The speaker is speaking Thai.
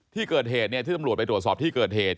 ที่เกิดเหตุที่ตำรวจไปตรวจสอบที่เกิดเหตุ